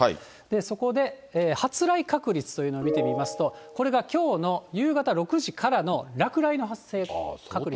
そこで発雷確率というのを見てみますと、これがきょうの夕方６時からの落雷の発生確率。